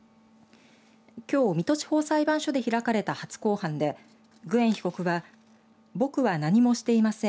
きょう水戸地方裁判所で開かれた初公判でグエン被告は僕は何もしていません。